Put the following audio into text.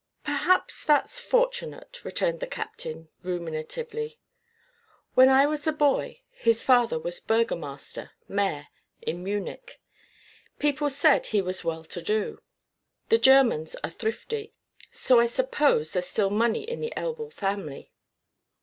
"Perhaps that's fortunate," returned the captain, ruminatively. "When I was a boy, his father was burgomaster mayor in Munich. People said he was well to do. The Germans are thrifty, so I suppose there's still money in the Elbl family."